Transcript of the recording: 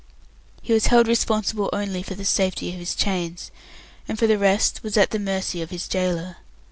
He was held responsible only for the safety of his chains, and for the rest was at the mercy of his gaoler.